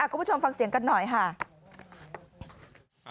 ก็พูดขอฟังเพียงกันหน่อยน่ะ